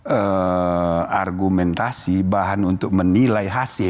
eee argunnya itu yang berguna sekarang ya